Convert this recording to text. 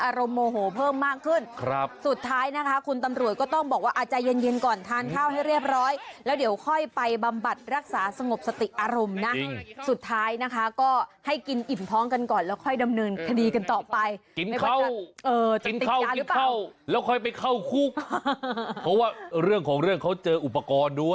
โมโหเพิ่มมากขึ้นครับสุดท้ายนะคะคุณตำรวจก็ต้องบอกว่าใจเย็นเย็นก่อนทานข้าวให้เรียบร้อยแล้วเดี๋ยวค่อยไปบำบัดรักษาสงบสติอารมณ์นะสุดท้ายนะคะก็ให้กินอิ่มท้องกันก่อนแล้วค่อยดำเนินคดีกันต่อไปกินไม่ค่อยจะกินติดยาหรือเปล่าเข้าแล้วค่อยไปเข้าคุกเพราะว่าเรื่องของเรื่องเขาเจออุปกรณ์ด้วย